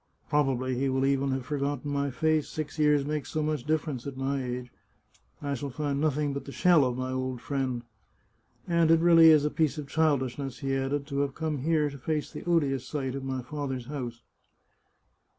Probably he will even have forgotten my face — six years makes so much difference at my age. I shall find nothing but the shell of my old friend. And it really is a piece of childishness," he added, " to have come here to face the odious sight of my father's house."